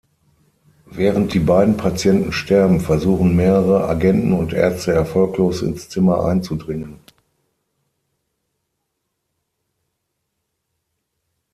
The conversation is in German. Während die beiden Patienten sterben, versuchen mehrere Agenten und Ärzte erfolglos, ins Zimmer einzudringen.